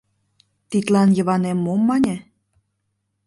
Тидлан Йыванем мом мане?